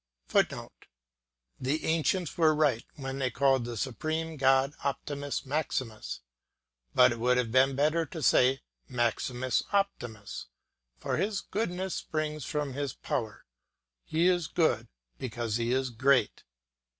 [Footnote: The ancients were right when they called the supreme God Optimus Maximus, but it would have been better to say Maximus Optimus, for his goodness springs from his power, he is good because he is great.